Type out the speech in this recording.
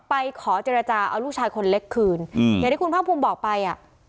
ไปขอเจรจาเอาลูกชายคนเล็กคืนอย่างที่คุณพ่อภูมิบอกไป